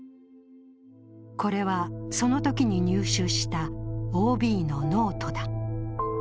これは、そのときに入手したＯＢのノートだ。